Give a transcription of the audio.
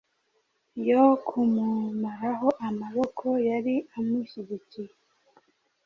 yo kumumaraho amaboko yari amushyigikiye.